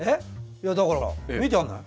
いやだからほら見て分かんない？